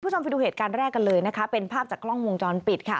คุณผู้ชมไปดูเหตุการณ์แรกกันเลยนะคะเป็นภาพจากกล้องวงจรปิดค่ะ